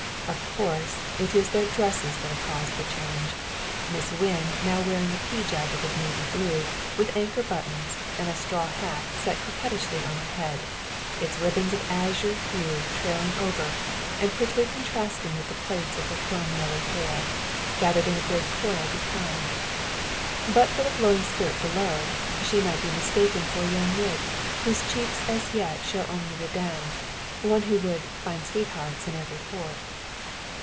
Of course, it is their dresses that have caused the change; Miss Wynn now wearing a pea jacket of navy blue, with anchor buttons, and a straw hat set coquettishly on her head, its ribbons of azure hue trailing over, and prettily contrasting with the plaits of her chrome yellow hair, gathered in a grand coil behind. But for the flowing skirt below, she might be mistaken for a young mid, whose cheeks as yet show only the down one who would "find sweethearts in every port."